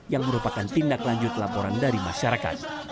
yang merupakan tindak lanjut laporan dari masyarakat